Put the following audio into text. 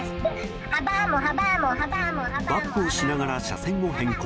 バックをしながら車線を変更。